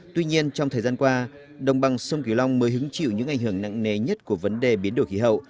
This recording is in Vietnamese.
tuy nhiên trong thời gian qua đồng bằng sông cửu long mới hứng chịu những ảnh hưởng nặng nề nhất của vấn đề biến đổi khí hậu